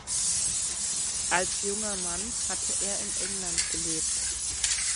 Als junger Mann hatte er in England gelebt.